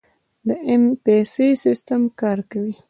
د ایم پیسه سیستم کار کوي؟